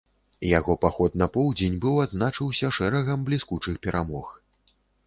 Яго паход на поўдзень быў адзначыўся шэрагам бліскучых перамог.